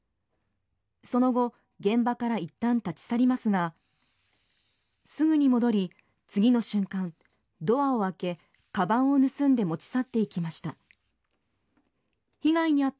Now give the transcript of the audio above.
その後現場からいったん立ち去りますがすぐに戻り、次の瞬間ドアを開け、かばんを盗んで持ち去って行きました。